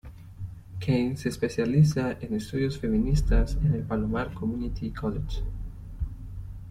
Kane se especializa en estudios feministas en el Palomar Community College.